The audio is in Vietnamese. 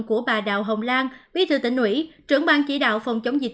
của bà đạo hồng lan bí thư tỉnh ủy trưởng ban chỉ đạo phòng chống dịch